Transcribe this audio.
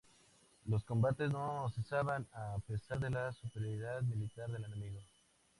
Los combates no cesaban a pesar de la superioridad militar del enemigo.